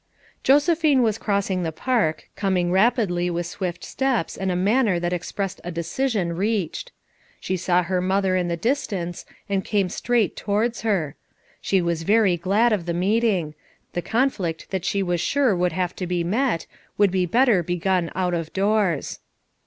Josephine was crossing the park, coming rap idly with swift steps and a manner that ex pressed a decision reached. She saw her mother in the distance and came straight towards her; she was very glad of the meet 306 FOUR MOTHERS AT CHAUTAUQUA ing; the conflict that she was sure would have to be met, would be better begun out of doors.